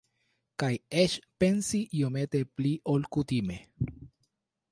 Kaj eĉ pensi iomete pli ol kutime.